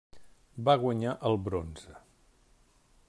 Va guanyar el bronze.